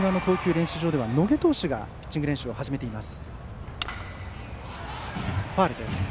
練習場では野下投手がピッチング練習を始めています。